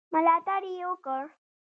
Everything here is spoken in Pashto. ملاتړ یې وکړ.